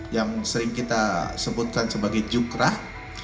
yang sering kita sebutkan sebagai jukrah